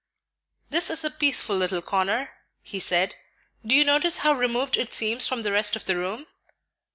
"This is a peaceful little corner," he said. "Do you notice how removed it seems from the rest of the room?"